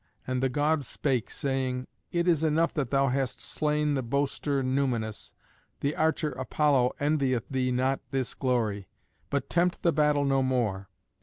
And the god spake, saying, "It is enough that thou hast slain the boaster Numanus. The archer Apollo envieth thee not this glory. But tempt the battle no more."